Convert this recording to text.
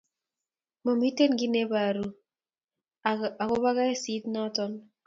Mamiten kit nebaru ako ba kesit naton